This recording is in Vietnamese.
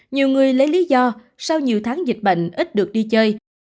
nhiều người lấy lý do sau nhiều tháng dịch bệnh ít được đi chơi